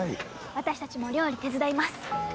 私たちも料理手伝います。